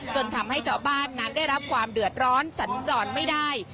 จนทำให้เจ้าบ้านนั้นได้รับความเดือดร้อนสัญจรไม่ได้